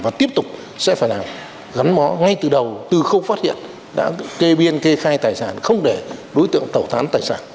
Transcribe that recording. và tiếp tục sẽ phải làm gắn mó ngay từ đầu từ khâu phát hiện đã kê biên kê khai tài sản không để đối tượng tẩu thán tài sản